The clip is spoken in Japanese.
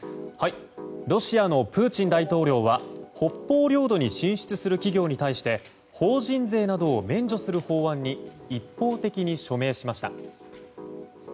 ロシアのプーチン大統領は北方領土に進出する企業に対して法人税などを免除する法案に一方的に署名しました。